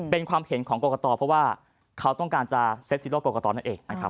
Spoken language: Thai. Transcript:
เป็นความเห็นของกรกตเพราะว่าเขาต้องการจะเซ็ตซีโร่กรกตนั่นเองนะครับ